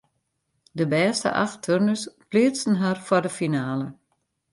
De bêste acht turners pleatsten har foar de finale.